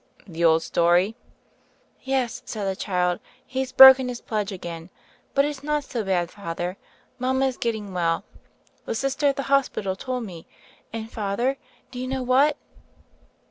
*The old story?" "Yes," said the child, "he's broken his pledge again. But it is not so bad, Father. Mama is getting well, the Sister at the hospital told me; and, Father, do you know what?"